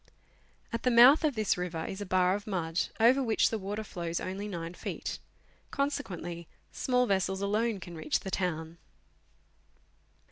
At the mouth of this river is a bar of mud, over which the water flows only 9 feet; con sequently small vessels alone can reach the town.